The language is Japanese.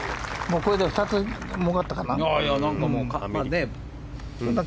これで２つもうかったかな。